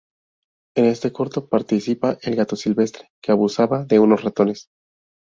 En este corto participa el gato Silvestre, que abusaba de unos ratones.